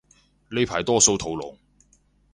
呢排多數屠龍